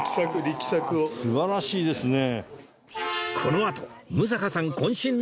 素晴らしいですね。